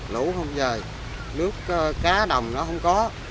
lũ không về nước cá đồng nó không có